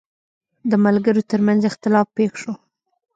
د ملګرو ترمنځ اختلاف پېښ شو.